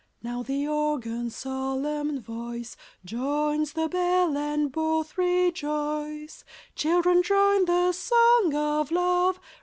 Now the organ's solemn voice Joins the bell, and both rejoice. Children, join the song of love!